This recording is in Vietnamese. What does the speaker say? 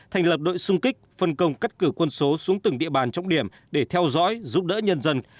thành lập đội sung kích phân công cắt cửa quân số xuống từng địa bàn trọng điểm để theo dõi giúp đỡ nhân dân